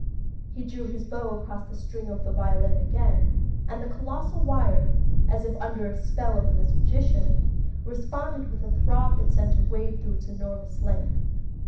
He drew his bow across the string of the violin again, and the colossal wire, as if under the spell of a magician, responded with a throb that sent a wave through its enormous length.